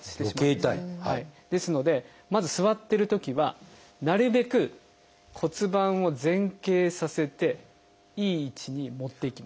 よけい痛い？ですのでまず座ってるときはなるべく骨盤を前傾させていい位置に持っていきます。